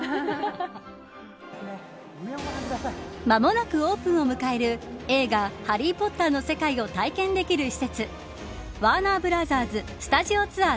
間もなくオープンを迎える映画ハリー・ポッターの世界を体験できる施設ワーナーブラザーズスタジオツアー